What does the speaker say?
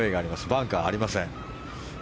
バンカーがありません。